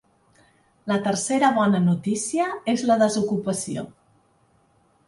La tercera bona notícia és la desocupació.